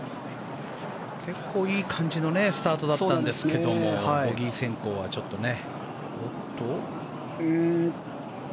結構いい感じのスタートだったんですけどもボギー先行はちょっとね。